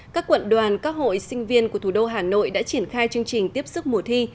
các quận đoàn các hội sinh viên của thủ đô hà nội đã triển khai chương trình tiếp sức mùa thi